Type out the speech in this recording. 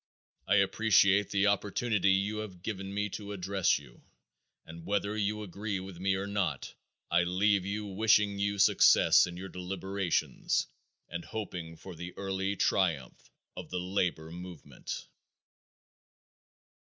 I appreciate the opportunity you have given me to address you and whether you agree with me or not, I leave you wishing you success in your deliberations and hoping for the early triumph of the labor movement.